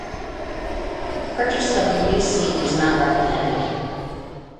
The purchase of a used seat is not recommended.